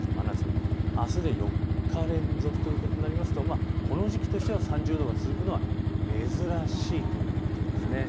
あすで４日連続となりますとこの時期３０度が続くというのは珍しいということです。